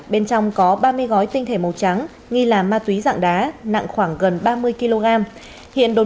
bên trong có ba mươi gói tinh thể màu trắng nghi là ma túy dạng đá nặng khoảng gần ba mươi kg hiện